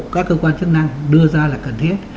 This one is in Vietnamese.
các cơ quan chức năng đưa ra là cần thiết